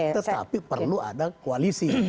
tetapi perlu ada koalisi